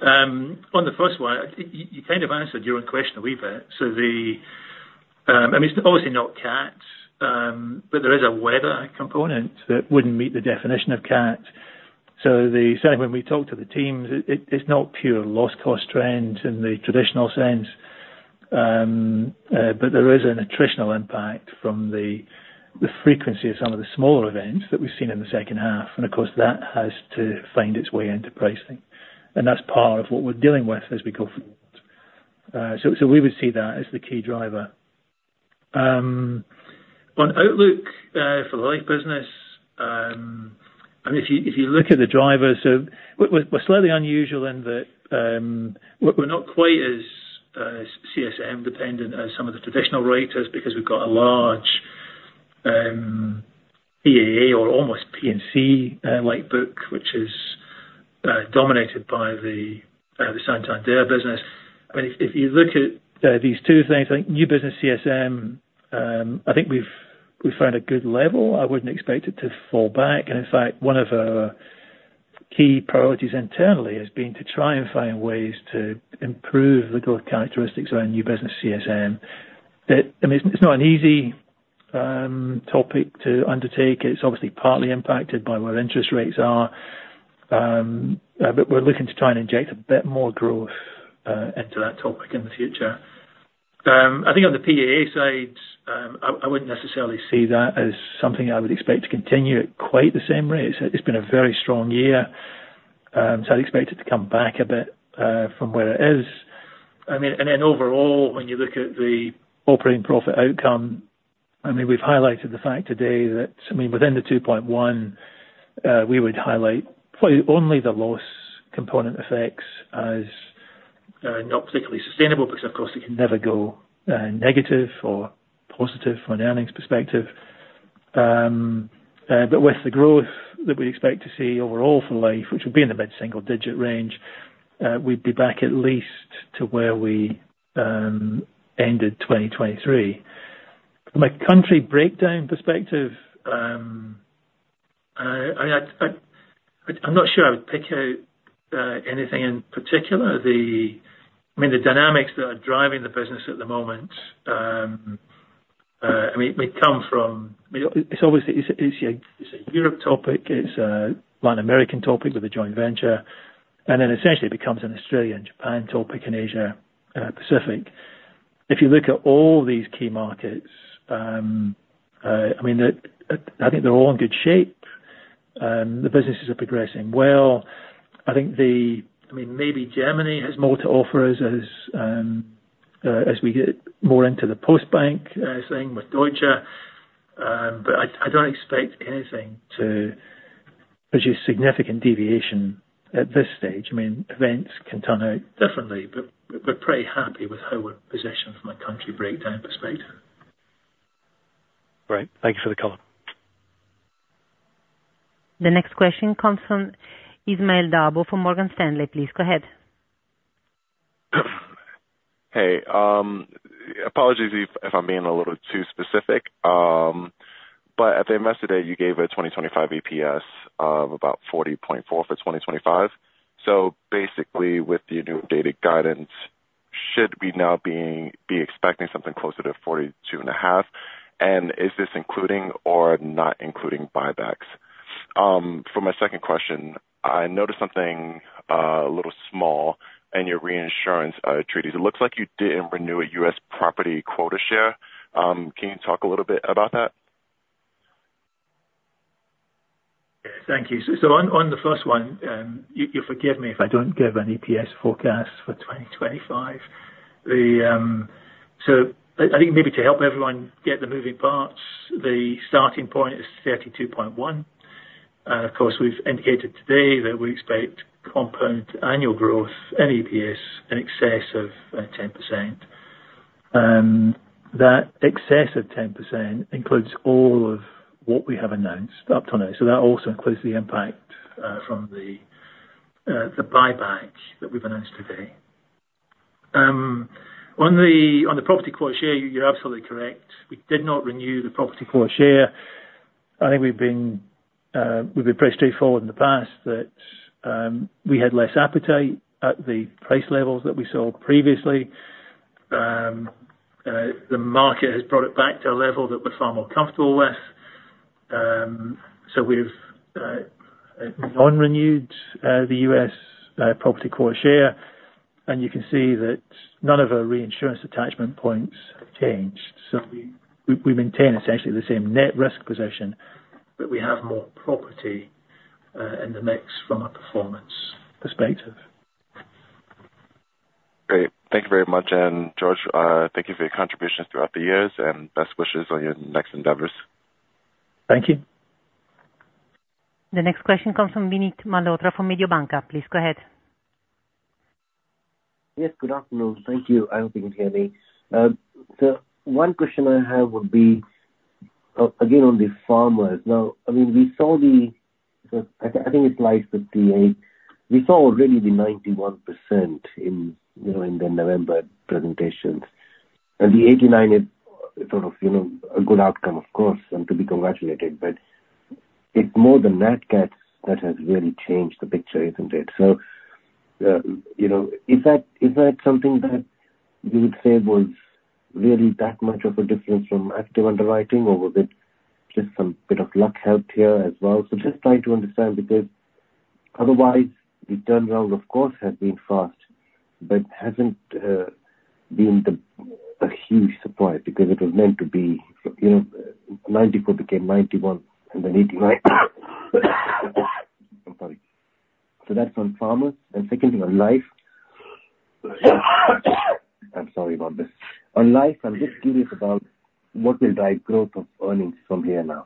Speaker 5: On the first one, you kind of answered your own question a wee bit. So I mean, it's obviously not CAT, but there is a weather component that wouldn't meet the definition of CAT. So certainly, when we talk to the teams, it's not pure loss-cost trend in the traditional sense, but there is an attritional impact from the frequency of some of the smaller events that we've seen in the second half. And of course, that has to find its way into pricing. And that's part of what we're dealing with as we go forward. So we would see that as the key driver. On outlook for the life business, I mean, if you look at the drivers, so we're slightly unusual in that we're not quite as CSM-dependent as some of the traditional writers because we've got a large PAA or almost P&C-like book, which is dominated by the Santander business. I mean, if you look at these two things, I think new business CSM, I think we've found a good level. I wouldn't expect it to fall back. And in fact, one of our key priorities internally has been to try and find ways to improve the growth characteristics around new business CSM. I mean, it's not an easy topic to undertake. It's obviously partly impacted by where interest rates are. But we're looking to try and inject a bit more growth into that topic in the future. I think on the PAA side, I wouldn't necessarily see that as something I would expect to continue at quite the same rate. It's been a very strong year. So I'd expect it to come back a bit from where it is. I mean, and then overall, when you look at the operating profit outcome, I mean, we've highlighted the fact today that I mean, within the 2.1, we would highlight probably only the loss component effects as not particularly sustainable because, of course, it can never go negative or positive from an earnings perspective. But with the growth that we expect to see overall for life, which would be in the mid-single-digit range, we'd be back at least to where we ended 2023. From a country breakdown perspective, I mean, I'm not sure I would pick out anything in particular. I mean, the dynamics that are driving the business at the moment. I mean, we come from—I mean, it's a Europe topic. It's a Latin America topic with a joint venture. And then essentially, it becomes an Australia and Japan topic in Asia-Pacific. If you look at all these key markets, I mean, I think they're all in good shape. The businesses are progressing well. I think—I mean, maybe Germany has more to offer us as we get more into the Postbank thing with Deutsche. But I don't expect anything to produce significant deviation at this stage. I mean, events can turn out differently, but we're pretty happy with how we're positioned from a country breakdown perspective.
Speaker 13: Great. Thank you for the color.
Speaker 1: The next question comes from Ismael Dabo from Morgan Stanley. Please go ahead.
Speaker 14: Hey. Apologies if I'm being a little too specific. At the investor date, you gave a 2025 EPS of about 40.4 for 2025. Basically, with the new updated guidance, should we now be expecting something closer to 42.5? And is this including or not including buybacks? For my second question, I noticed something a little small in your reinsurance treaties. It looks like you didn't renew a U.S. property quota share. Can you talk a little bit about that?
Speaker 5: Thank you. So on the first one, you'll forgive me if I don't give an EPS forecast for 2025. So I think maybe to help everyone get the moving parts, the starting point is 32.1. Of course, we've indicated today that we expect compound annual growth, in EPS, an excess of 10%. That excess of 10% includes all of what we have announced up to now. So that also includes the impact from the buyback that we've announced today. On the property quota share, you're absolutely correct. We did not renew the property quota share. I think we've been pretty straightforward in the past that we had less appetite at the price levels that we saw previously. The market has brought it back to a level that we're far more comfortable with. So we've non-renewed the U.S. property quota share, and you can see that none of our reinsurance attachment points have changed. So we maintain essentially the same net risk position, but we have more property in the mix from a performance perspective.
Speaker 14: Great. Thank you very much. And George, thank you for your contributions throughout the years, and best wishes on your next endeavors.
Speaker 5: Thank you.
Speaker 1: The next question comes from Vinit Malhotra from Mediobanca. Please go ahead.
Speaker 15: Yes. Good afternoon. Thank you. I hope you can hear me. So one question I have would be, again, on the Farmers. Now, I mean, we saw the, I think it's slide 58. We saw already the 91% in the November presentations. And the 89% is sort of a good outcome, of course, and to be congratulated. But it's more the NatCat that has really changed the picture, isn't it? So is that something that you would say was really that much of a difference from active underwriting, or was it just some bit of luck helped here as well? So just trying to understand because otherwise, the turnaround, of course, has been fast but hasn't been a huge surprise because it was meant to be 94% became 91% and then 89%. I'm sorry. So that's on Farmers. And secondly, on life. I'm sorry about this. On life, I'm just curious about what will drive growth of earnings from here now.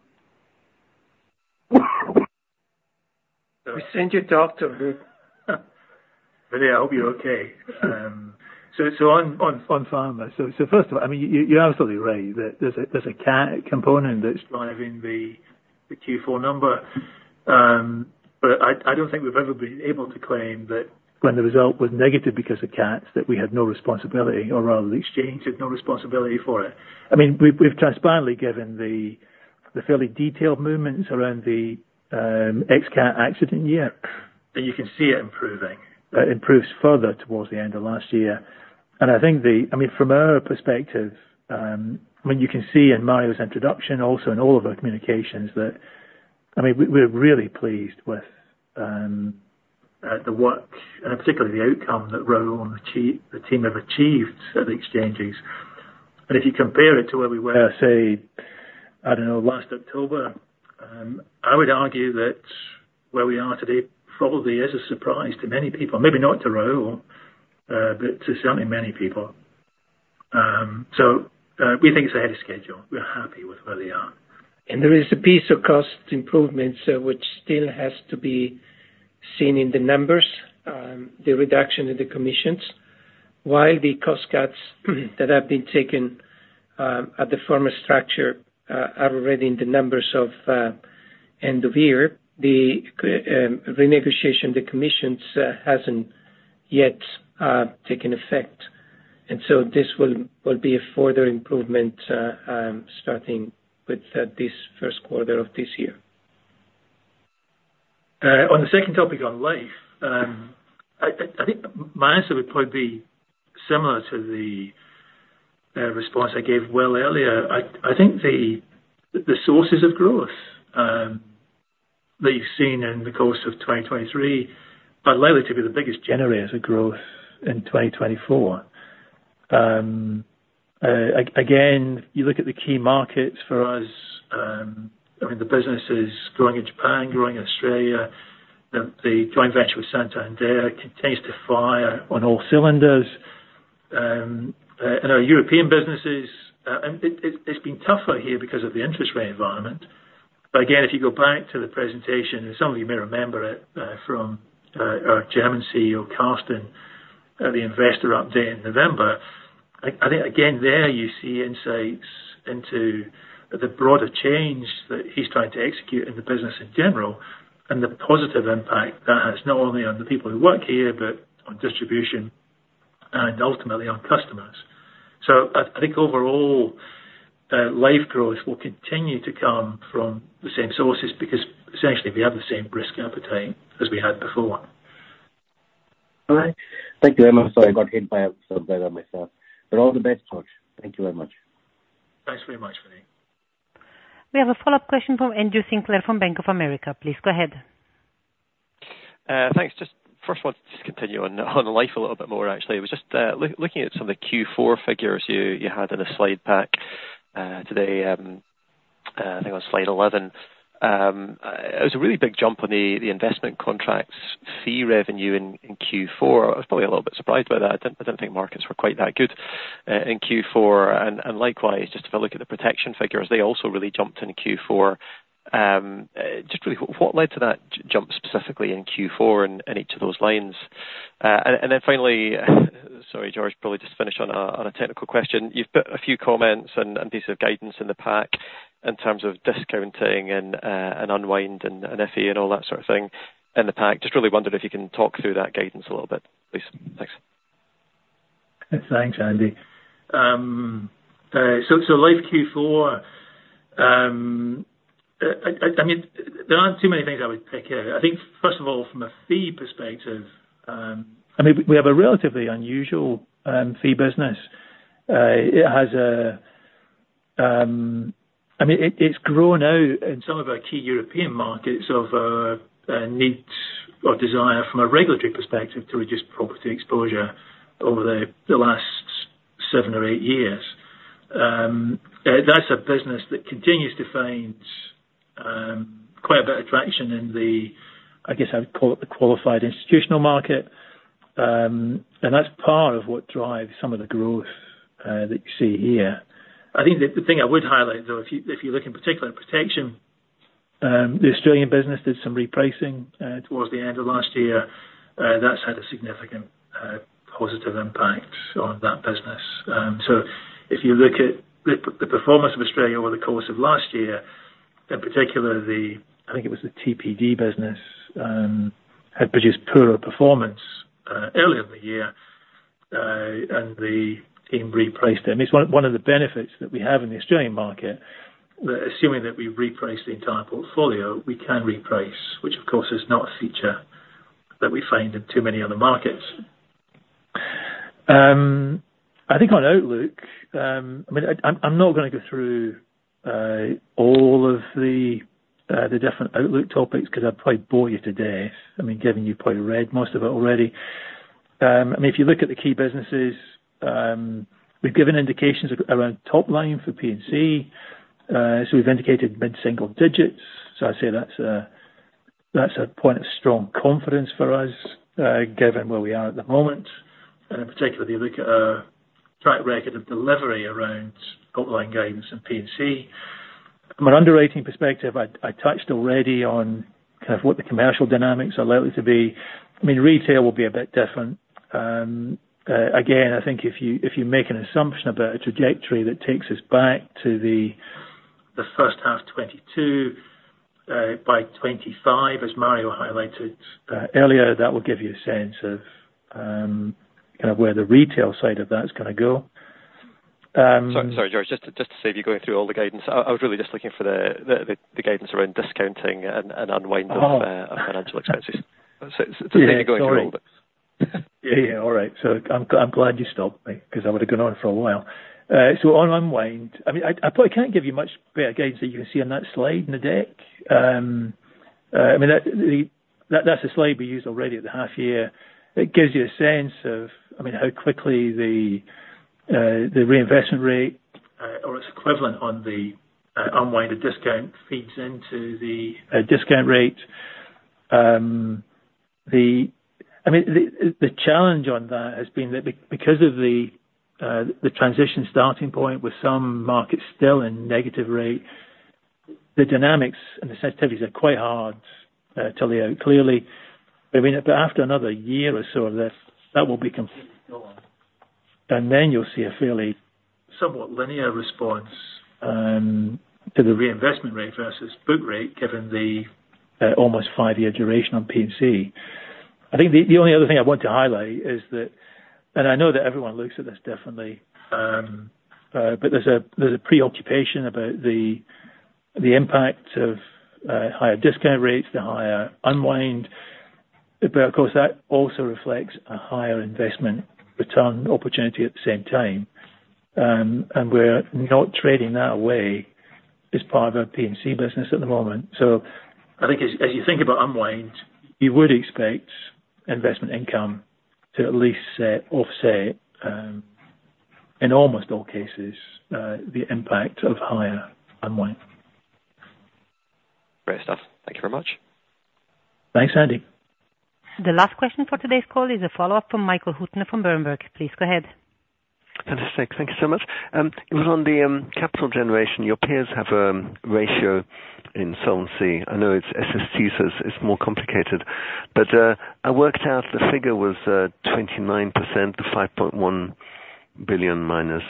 Speaker 5: We sent your talk to who? I hope you're okay. So, on Farmers. So, first of all, I mean, you're absolutely right that there's a CAT component that's driving the Q4 number. But I don't think we've ever been able to claim that when the result was negative because of CATs, that we had no responsibility or rather the exchange had no responsibility for it. I mean, we've transparently given the fairly detailed movements around the ex-CAT accident year. And you can see it improving. It improves further towards the end of last year. And I think, I mean, from our perspective, I mean, you can see in Mario's introduction, also in all of our communications, that I mean, we're really pleased with the work and particularly the outcome that the team have achieved at the exchanges. If you compare it to where we were, say, I don't know, last October, I would argue that where we are today probably is a surprise to many people, maybe not to ROE, but certainly to many people. We think it's ahead of schedule. We're happy with where they are.
Speaker 3: There is a piece of cost improvement which still has to be seen in the numbers, the reduction in the commissions. While the cost cuts that have been taken at the former structure are already in the numbers of end of year, the renegotiation of the commissions hasn't yet taken effect. So this will be a further improvement starting with this first quarter of this year.
Speaker 5: On the second topic on life, I think my answer would probably be similar to the response I gave well earlier. I think the sources of growth that you've seen in the course of 2023 are likely to be the biggest generators of growth in 2024. Again, you look at the key markets for us. I mean, the business is growing in Japan, growing in Australia. The joint venture with Santander continues to fire on all cylinders. Our European businesses, it's been tougher here because of the interest rate environment. But again, if you go back to the presentation, and some of you may remember it from our German CEO, Carsten, the investor update in November, I think, again, there, you see insights into the broader change that he's trying to execute in the business in general and the positive impact that has not only on the people who work here but on distribution and ultimately on customers. So I think overall, life growth will continue to come from the same sources because essentially, we have the same risk appetite as we had before.
Speaker 15: All right. Thank you very much. Sorry, I got hit by the weather myself. But all the best, George. Thank you very much.
Speaker 5: Thanks very much, Vinit.
Speaker 1: We have a follow-up question from Andrew Sinclair from Bank of America. Please go ahead.
Speaker 4: Thanks. First, I want to just continue on life a little bit more, actually. I was just looking at some of the Q4 figures you had in the slide pack today. I think on slide 11, it was a really big jump on the investment contracts fee revenue in Q4. I was probably a little bit surprised by that. I didn't think markets were quite that good in Q4. And likewise, just if I look at the protection figures, they also really jumped in Q4. Just really, what led to that jump specifically in Q4 and each of those lines? And then finally, sorry, George, probably just finish on a technical question. You've put a few comments and pieces of guidance in the pack in terms of discounting and unwind and FE and all that sort of thing in the pack. Just really wondered if you can talk through that guidance a little bit, please. Thanks.
Speaker 5: Thanks, Andy. So life Q4, I mean, there aren't too many things I would pick out. I think, first of all, from a fee perspective, I mean, we have a relatively unusual fee business. I mean, it's grown out in some of our key European markets of a need or desire from a regulatory perspective to reduce property exposure over the last seven or eight years. That's a business that continues to find quite a bit of traction in the, I guess, I would call it the qualified institutional market. And that's part of what drives some of the growth that you see here. I think the thing I would highlight, though, if you look in particular at protection, the Australian business did some repricing towards the end of last year. That's had a significant positive impact on that business. So if you look at the performance of Australia over the course of last year, in particular, I think it was the TPD business had produced poorer performance earlier in the year, and the team repriced it. I mean, it's one of the benefits that we have in the Australian market that assuming that we reprice the entire portfolio, we can reprice, which, of course, is not a feature that we find in too many other markets. I think on outlook, I mean, I'm not going to go through all of the different outlook topics because I've probably bored you today. I mean, given you probably read most of it already. I mean, if you look at the key businesses, we've given indications around top line for P&C. So we've indicated mid-single digits. So I'd say that's a point of strong confidence for us given where we are at the moment. And in particular, if you look at our track record of delivery around top line guidance and P&C. From an underwriting perspective, I touched already on kind of what the commercial dynamics are likely to be. I mean, retail will be a bit different. Again, I think if you make an assumption about a trajectory that takes us back to the first half 2022, by 2025, as Mario highlighted earlier, that will give you a sense of kind of where the retail side of that's going to go.
Speaker 4: Sorry, George, just to see if you're going through all the guidance. I was really just looking for the guidance around discounting and unwind of financial expenses. So it's a thing you're going through all of it.
Speaker 5: Yeah. All right. So I'm glad you stopped me because I would have gone on for a while. So on unwind, I mean, I probably can't give you much better guidance than you can see on that slide in the deck. I mean, that's a slide we used already at the half-year. It gives you a sense of, I mean, how quickly the reinvestment rate or its equivalent on the unwinded discount feeds into the discount rate. I mean, the challenge on that has been that because of the transition starting point with some markets still in negative rate, the dynamics and the sensitivities are quite hard to lay out clearly. But after another year or so of this, that will be completely gone. And then you'll see a fairly somewhat linear response to the reinvestment rate versus book rate given the almost five-year duration on P&C. I think the only other thing I want to highlight is that, and I know that everyone looks at this differently, but there's a preoccupation about the impact of higher discount rates, the higher unwind. But of course, that also reflects a higher investment return opportunity at the same time. And we're not trading that away as part of our P&C business at the moment. So I think as you think about unwind, you would expect investment income to at least offset in almost all cases the impact of higher unwind.
Speaker 4: Great stuff. Thank you very much.
Speaker 2: Thanks, Andy.
Speaker 1: The last question for today's call is a follow-up from Michael Huttner from Berenberg. Please go ahead.
Speaker 7: Fantastic. Thank you so much. It was on the capital generation. Your peers have a ratio in Solvency. I know it's SST, so it's more complicated. But I worked out the figure was 29%, the 5.1 billion minus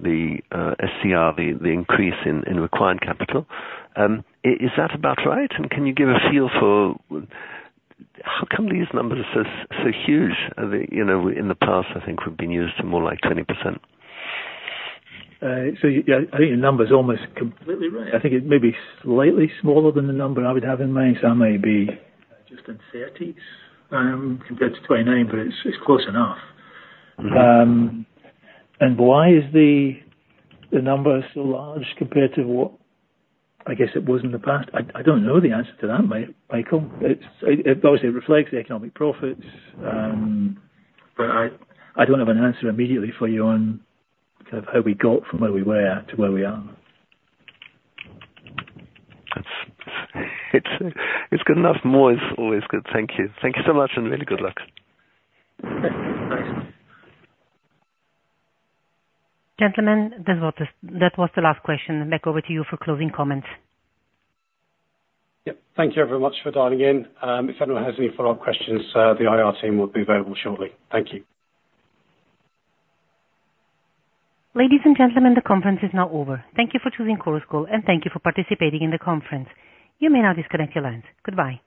Speaker 7: the SCR, the increase in required capital. Is that about right? And can you give a feel for how come these numbers are so huge? In the past, I think we've been used to more like 20%.
Speaker 5: Yeah, I think your number's almost completely right. I think it may be slightly smaller than the number I would have in mind. I may be just in the 30s compared to 29, but it's close enough. Why is the number so large compared to what I guess it was in the past? I don't know the answer to that, Michael. Obviously, it reflects the economic profits, but I don't have an answer immediately for you on kind of how we got from where we were to where we are.
Speaker 7: It's good enough. More is always good. Thank you. Thank you so much and really good luck.
Speaker 5: Thanks.
Speaker 1: Gentlemen, that was the last question. Back over to you for closing comments.
Speaker 2: Yep. Thank you very much for dialing in. If anyone has any follow-up questions, the IR team will be available shortly. Thank you.
Speaker 1: Ladies and gentlemen, the conference is now over. Thank you for choosing Chorus Call, and thank you for participating in the conference. You may now disconnect your lines. Goodbye.